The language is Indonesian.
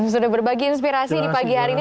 sudah berbagi inspirasi di pagi hari ini